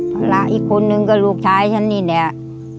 ภาระอีกคนนึงก็ลูกชายฉันนี่แหละ